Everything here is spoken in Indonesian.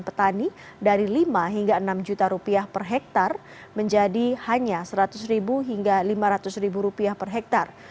petani dari lima hingga enam juta rupiah per hektar menjadi hanya seratus hingga lima ratus rupiah per hektar